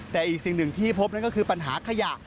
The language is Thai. แต่อีกสิ่งหนึ่งที่พบนั่นก็คือปัญหาขยะ